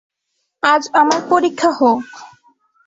আচ্ছা, আজ আমার পরীক্ষা হউক!